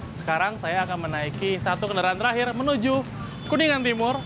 sekarang saya akan menaiki satu kendaraan terakhir menuju kuningan timur